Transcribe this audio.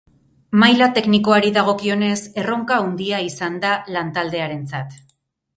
Maila teknikoari dagokionez, erronka handia izan da lantaldearentzat.